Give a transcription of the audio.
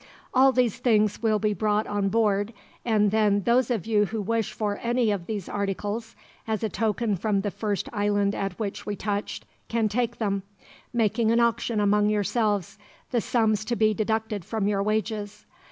"All these things will be brought on board, and then those of you who wish for any of these articles, as a token from the first island at which we touched, can take them; making an auction among yourselves, the sums to be deducted from your wages.